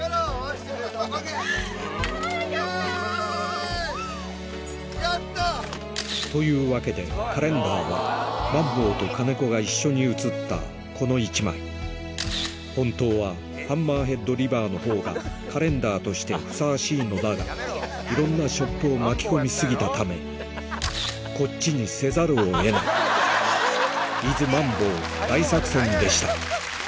イェイ！というわけでカレンダーはマンボウと金子が一緒に写ったこの１枚本当はハンマーヘッドリバーのほうがカレンダーとしてふさわしいのだがいろんなショップを巻き込みすぎたためこっちにせざるを得ない「伊豆マンボウ大作戦」でした